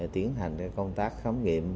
tiến hành công tác khám nghiệm